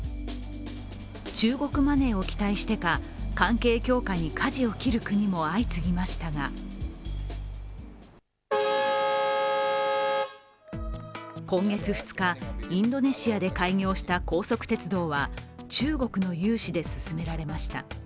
中国マネーを期待してか、関係強化にかじを切る国も相次ぎましたが今月２日、インドネシアで開業した高速鉄道は中国の融資で進められました。